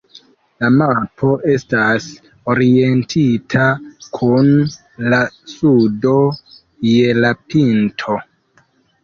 La mapo estas orientita kun la sudo je la pinto.